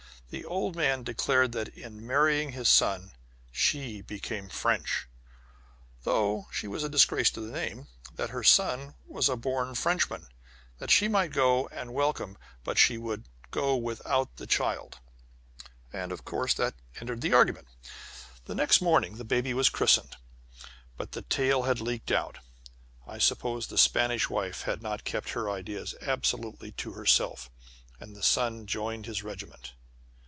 The old man declared that in marrying his son she became French, though she was a disgrace to the name, that her son was a born Frenchman; that she might go, and welcome, but that she would go without the child, and, of course, that ended the argument. The next morning the baby was christened, but the tale had leaked out. I suppose the Spanish wife had not kept her ideas absolutely to herself and the son joined his regiment.